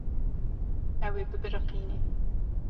Ew ê bibiriqîne.